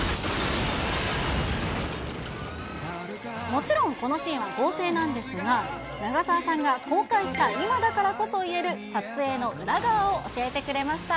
もちろん、このシーンは合成なんですが、長澤さんが公開した今だからこそ言える、撮影の裏側を教えてくれました。